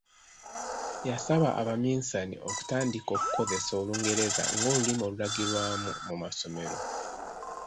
Yasaba Abaminsani okutandika okukozesa olungereza ng’olulimi olulagirwamu mu masomero.